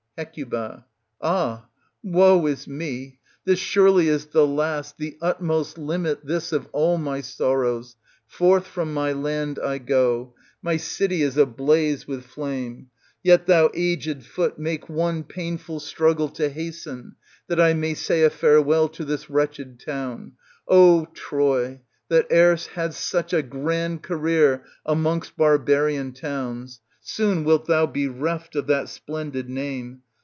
Hec. Ah, woe is me ! This surely is the last, the utmost limit this, of all my sorrows ; forth from my land I go ; my city is ablaze with flame. Yet, thou aged foot, make one painful struggle to hasten, that I may say a farewell to this wretched town. O Troy, that erst hadst such a grand career amongst barbarian towns, soon wilt thou be reft of that splendid name.